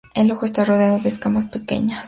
El ojo está rodeado de escamas pequeñas, granulares.